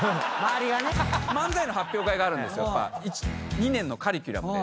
２年のカリキュラムで。